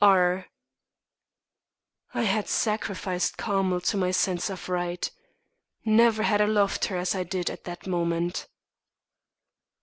R." I had sacrificed Carmel to my sense of right. Never had I loved her as I did at that moment.